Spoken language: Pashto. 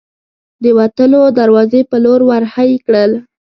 د وتلو دروازې په لور ور هۍ کړل.